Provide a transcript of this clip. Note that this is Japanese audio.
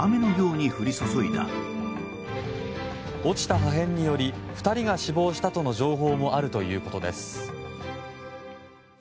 落ちた破片により２人が死亡したとの情報もあるということです。